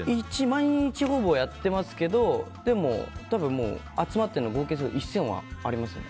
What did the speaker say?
毎日ほぼやってますけどでも、集まってるの合計すると１０００はありますね。